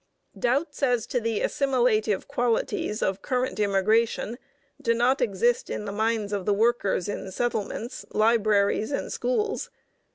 Doubts as to the assimilative qualities of current immigration do not exist in the minds of the workers in settlements, libraries, and schools.